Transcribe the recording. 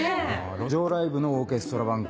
路上ライブのオーケストラ版か。